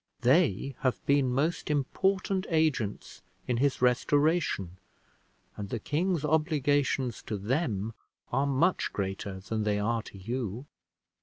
They have been most important agents in his restoration, and the king's obligations to them are much greater than they are to you.